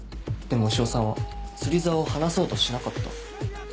でも潮さんは釣り竿を離そうとしなかった。